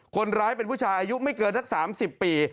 คนร้ายเป็นผู้ชายอายุไม่เกินสัก๓๐ปี